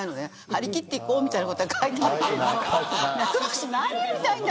張り切っていこうみたいなことは書いてあるけれど。